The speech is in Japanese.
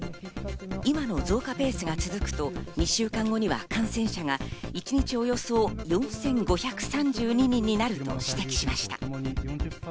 今の増加ペースが続くと２週間後には感染者が一日およそ４５３２人になると指摘しました。